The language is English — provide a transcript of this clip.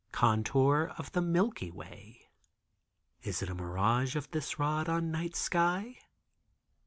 Contour of the Milky Way. Is that a mirage of this rod on night sky?